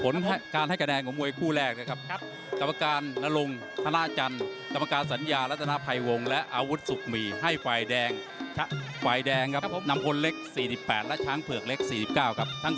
นัมผล๔๘ช้างเปลือก๔๙